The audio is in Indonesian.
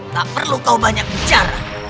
tak perlu kau banyak bicara